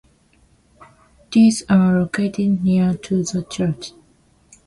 These are located near to the church.